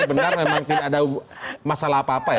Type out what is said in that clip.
benar memang tidak ada masalah apa apa ya